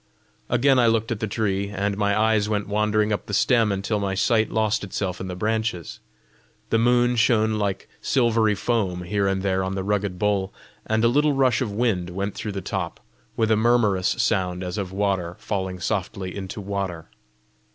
Again I looked at the tree, and my eyes went wandering up the stem until my sight lost itself in the branches. The moon shone like silvery foam here and there on the rugged bole, and a little rush of wind went through the top with a murmurous sound as of water falling softly into water.